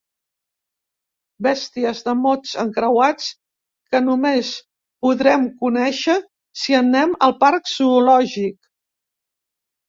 Bèsties de mots encreuats que només podrem conèixer si anem al parc zoològic.